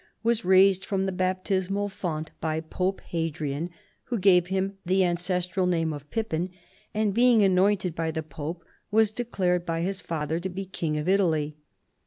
173 was raised from the baptismal font by Pope Hadrian, who gave him the ancestral name of Pijipin, and being anointed by the pope was declared by his father to be King of Italy.